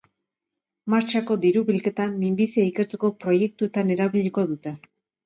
Martxako diru-bilketa minbizia ikertzeko proiektuetan erabiliko dute.